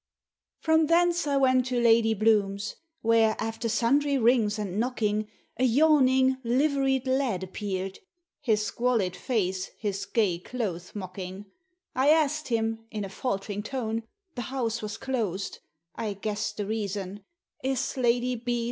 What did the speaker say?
From thence I went to Lady Bloom's, Where, after sundry rings and knocking, A yawning, liveried lad appear'd, His squalid face his gay clothes mocking I asked him, in a faltering tone The house was closed I guess'd the reason "Is Lady B.'